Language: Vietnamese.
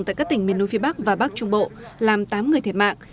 tại các tỉnh miền núi phía bắc và bắc trung bộ làm tám người thiệt mạng